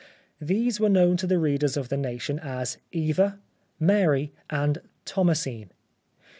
These were known to the readers of The Nation as "Eva," "Mary," and "Thomasine."